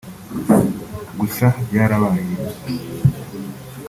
gusa byarabaye